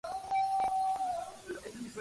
Con una organización ocurre exactamente lo mismo.